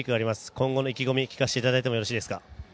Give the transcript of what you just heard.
今後の意気込み聞かせていただいてもよろしいですか。